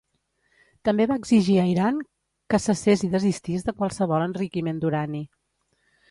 També va exigir a Iran que cessés i desistís de qualsevol enriquiment d'urani.